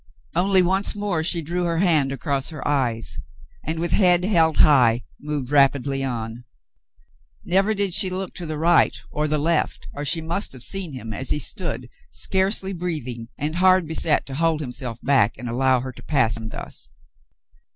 Only once more she drew her hand across her eyes, and with head held high moved rapidly on. Never did she look to the right or the left or she must have seen him as he stood, scarcely breathing and hard beset to hold himself back and allow her to pass him thus.